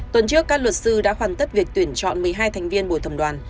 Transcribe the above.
tuần trước các luật sư đã hoàn tất việc tuyển chọn một mươi hai thành viên buổi thẩm đoàn